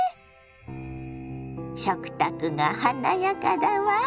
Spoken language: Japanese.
食卓が華やかだわ！